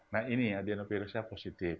nah ini ya adenopirusnya positif